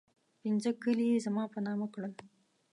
پنځه کلي یې زما په نامه کړل.